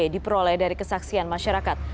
diperoleh dari kesaksian masyarakat